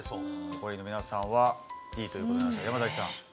残りの皆さんはＤということなんですが山さん。